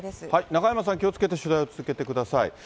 中山さん、気をつけて取材を続けてください。